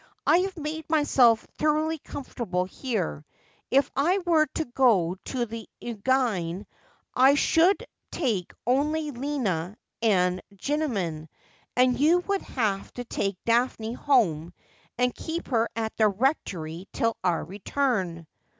I have made myself thoroughly comfortable here. If I were to go to the Engadine I should take only Lina and Jinman, and you would have to take Daphne home and keep her at the Rectory till our return.'